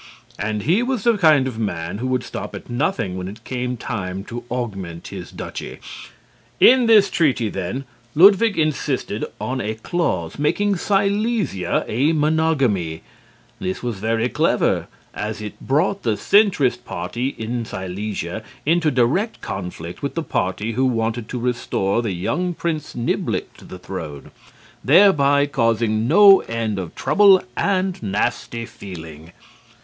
And he was the kind of man who would stop at nothing when it came time to augment his duchy. In this treaty, then, Ludwig insisted on a clause making Silesia a monogamy. This was very clever, as it brought the Centrist party in Silesia into direct conflict with the party who wanted to restore the young Prince Niblick to the throne; thereby causing no end of trouble and nasty feeling.